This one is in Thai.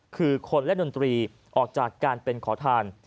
คือคนและดนตรีออกจากการเป็นขอทาน